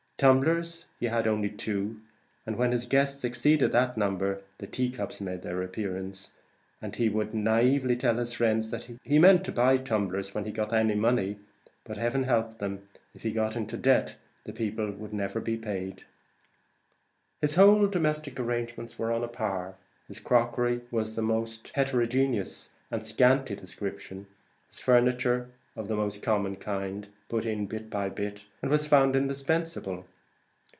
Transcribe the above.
Tumblers he had only two; when his guests exceeded that, the tea cups made their appearance, and he would naïvely tell his friends that he meant to buy tumblers when he got any money; but, heaven help them! if he got in debt, the people would never be paid. His whole domestic arrangements were on a par: his crockery was of a most heterogeneous and scanty description; his furniture of the most common kind, put in bit by bit, as it was found indispensable.